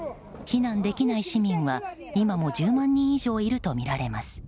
避難できない市民は今も１０万人以上いるとみられます。